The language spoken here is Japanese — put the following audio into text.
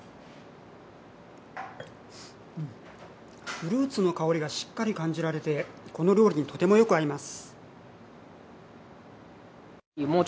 フルーツの香りがしっかり感じられて、この料理にとてもよく合います。